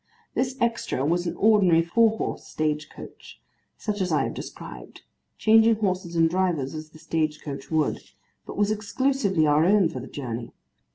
This extra was an ordinary four horse stage coach, such as I have described, changing horses and drivers, as the stage coach would, but was exclusively our own for the journey.